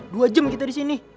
dua jam kita disini